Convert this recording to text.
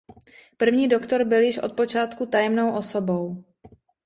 První Doktor byl již od počátku tajemnou osobou.